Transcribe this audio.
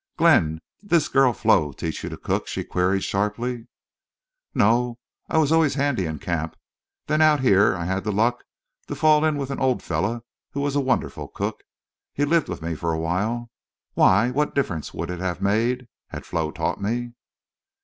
"Glenn, did this girl Flo teach you to cook?" she queried, sharply. "No. I always was handy in camp. Then out here I had the luck to fall in with an old fellow who was a wonderful cook. He lived with me for a while. ... Why, what difference would it have made—had Flo taught me?"